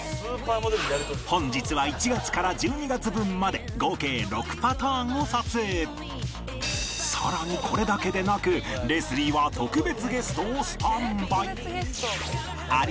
本日は１月から１２月分までさらにこれだけでなくレスリーは特別ゲストをスタンバイ